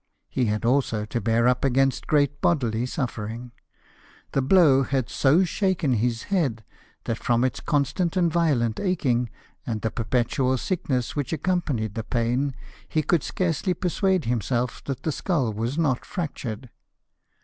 He had also to bear up against great bodily suffering : the blow had so shaken his head, that from its constant and violent aching, and the perpetual sickness which accompanied the pain, he could scarcely persuade himself that the skull was not fractured.